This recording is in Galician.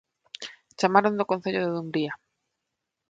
Chamaron do Concello de Dumbría